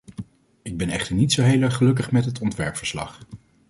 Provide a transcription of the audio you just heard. Ik ben echter niet zo heel erg gelukkig met het ontwerpverslag.